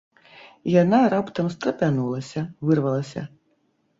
Яна раптам страпянулася, вырвалася.